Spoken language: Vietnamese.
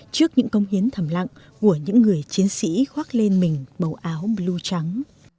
trước những công hiến thầm lặng của những người chiến sĩ khoác lên mình màu áo blue trắng